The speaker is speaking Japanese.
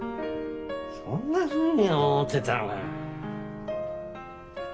そんなふうに思ってたのかよ。